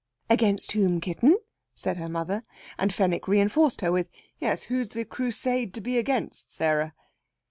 "Against whom, kitten?" said her mother. And Fenwick reinforced her with, "Yes, who's the Crusade to be against, Sarah?"